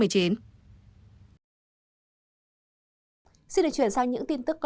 xin được chuyển sang những tin tức